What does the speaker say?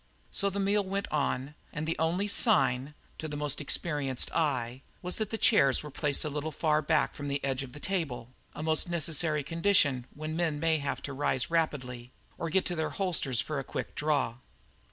So the meal went on, and the only sign, to the most experienced eye, was that the chairs were placed a little far back from the edge of the table, a most necessary condition when men may have to rise rapidly or get at their holsters for a quick draw.